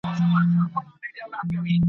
چي خمار ومه راغلی میخانه هغسي نه ده `